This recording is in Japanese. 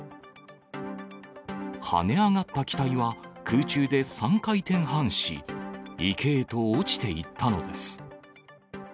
跳ね上がった機体は空中で３回転半し、池へと落ちていったのです。